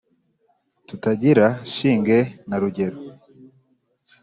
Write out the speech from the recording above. Tutagira shinge na rugero